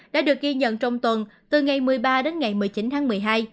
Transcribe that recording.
đã được ghi nhận trong tuần từ ngày một mươi ba đến ngày một mươi chín tháng một mươi hai